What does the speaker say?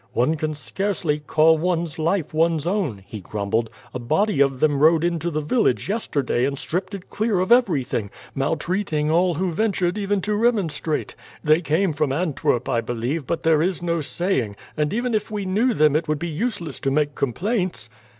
"One can scarcely call one's life one's own," he grumbled. "A body of them rode into the village yesterday and stripped it clear of everything, maltreating all who ventured even to remonstrate. They came from Antwerp, I believe; but there is no saying, and even if we knew them it would be useless to make complaints."